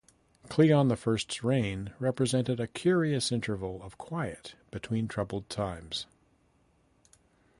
Cleon the First's reign represented a curious interval of quiet between troubled times.